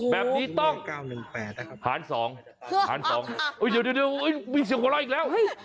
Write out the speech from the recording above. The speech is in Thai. แบบนี้ต้องหารสองโอ้ยเดี๋ยวมีเสียงกลัวล่อยอีกแล้ว